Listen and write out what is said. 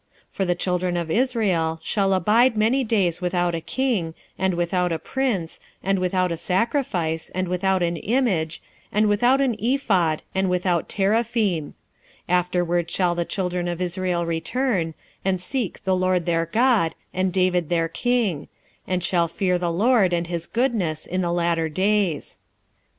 3:4 For the children of Israel shall abide many days without a king, and without a prince, and without a sacrifice, and without an image, and without an ephod, and without teraphim: 3:5 Afterward shall the children of Israel return, and seek the LORD their God, and David their king; and shall fear the LORD and his goodness in the latter days.